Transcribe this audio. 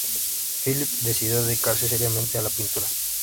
Philip decidió dedicarse seriamente a la pintura.